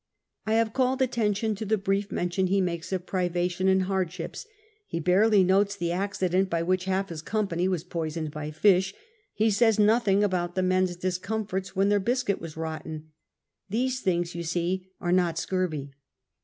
I have called attention to the brief mention lie makes of privation and hardships ; he barely notes the accident by which half his company were poisoned by fish, he says nothing about the men's dis comforts when their biscuit was rotten. These things, you see, are not scurvy.